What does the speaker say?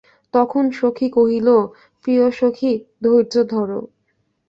তখন সখী কহিল, প্রিয়সখি ধৈর্য ধর।